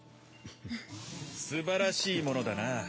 すばらしいものだな